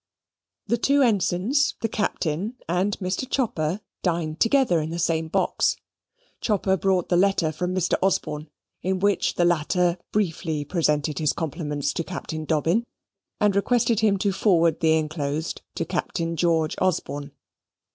The two ensigns, the Captain, and Mr. Chopper, dined together in the same box. Chopper brought the letter from Mr. Osborne, in which the latter briefly presented his compliments to Captain Dobbin, and requested him to forward the inclosed to Captain George Osborne.